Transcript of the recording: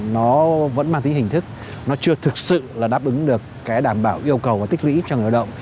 nó vẫn mang tính hình thức nó chưa thực sự là đáp ứng được cái đảm bảo yêu cầu và tích lũy cho người lao động